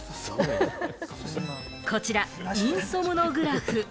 こちらインソムノグラフ。